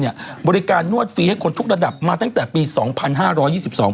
บริการนวดฟรีให้คนทุกระดับมาตั้งแต่ปีสองพันห้าร้อยยี่สิบสอง